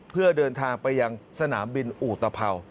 เพื่อเดินทางไปยังสนามบินอุตภัว